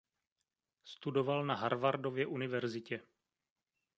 Studoval na Harvardově univerzitě.